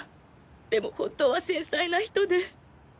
でも本当は繊細な人で。